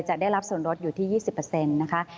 จะได้รับส่วนลดอยู่ที่๒๐นะคะ